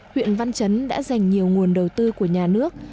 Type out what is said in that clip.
huyện văn chấn đã dành nhiều nguồn đầu tư của nhà nước